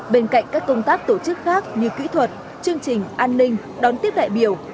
bên cạnh các công tác tổ chức khác như kỹ thuật chương trình an ninh đón tiếp đại biểu